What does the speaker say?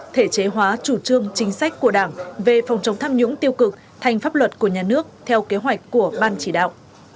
thể chế hóa chủ trương chính sách của đảng về phòng chống tham nhũng tiêu cực thành pháp luật của nhà nước theo kế hoạch của ban chỉ đạo